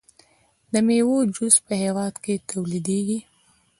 د میوو جوس په هیواد کې تولیدیږي.